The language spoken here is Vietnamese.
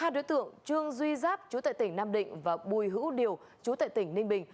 hai đối tượng trương duy giáp chú tại tỉnh nam định và bùi hữu điều chú tại tỉnh ninh bình